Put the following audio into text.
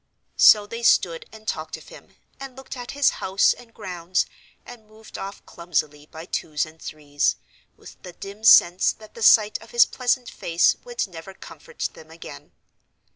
So they stood and talked of him, and looked at his house and grounds and moved off clumsily by twos and threes, with the dim sense that the sight of his pleasant face would never comfort them again.